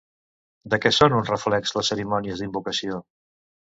De què són un reflex les cerimònies d'invocació?